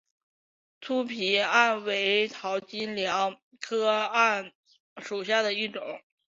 粗皮桉为桃金娘科桉属下的一个种。